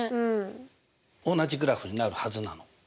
同じグラフになるはずなの。